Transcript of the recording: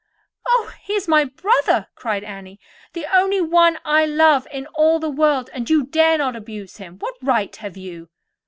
"Oh, he is my brother!" cried Annie; "the only one I love in all the world; and you dare not abuse him. What right have you?"